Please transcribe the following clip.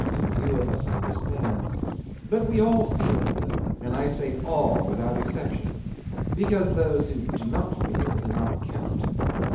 few of us understand, but we all feel it though, and I say all without exception, because those who do not feel do not count.